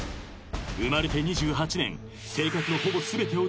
［生まれて２８年］